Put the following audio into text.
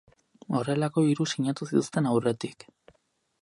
Horrelako hiru sinatu zituzten aurretik.